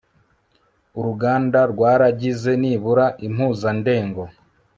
uruganda rwaragize nibura impuzandengo